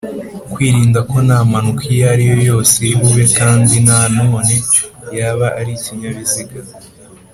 Kwiringira ko nta mpanuka iyo ariyo yose iri bube kandi na none yaba ari ikinyabiziga